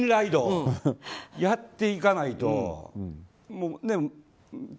それをやっていかないと。